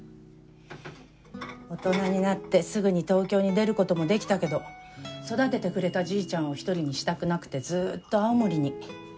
大人になってすぐに東京に出る事もできたけど育ててくれたじいちゃんを一人にしたくなくてずっと青森に。